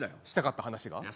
したかった話が？